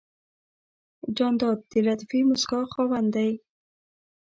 جانداد د لطیفې موسکا خاوند دی.